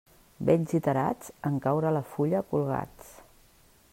Vells i tarats, en caure la fulla, colgats.